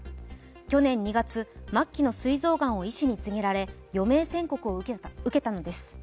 去年２月、末期のすい臓がんを医師に告げられ、余命宣告を受けたのです。